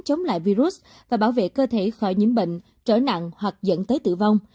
chống lại virus và bảo vệ cơ thể khỏi nhiễm bệnh trở nặng hoặc dẫn tới tử vong